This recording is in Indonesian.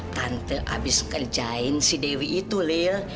tante habis kerjain si dewi itu lil